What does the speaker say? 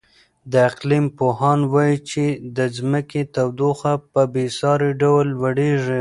د اقلیم پوهان وایي چې د ځمکې تودوخه په بې ساري ډول لوړېږي.